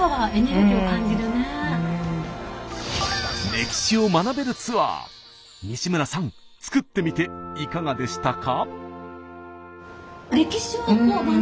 歴史を学べるツアー西村さん作ってみていかがでしたか？